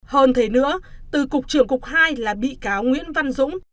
hơn thế nữa từ cục trưởng cục hai là bị cáo nguyễn văn dũng